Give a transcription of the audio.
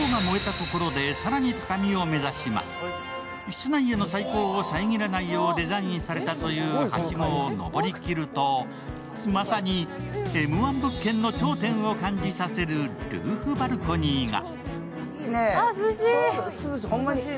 室内への採光を遮らないようにデザインされたというはしごを上りきると、まさにＭ−１物件の頂点を感じさせるルーフバルコニーが。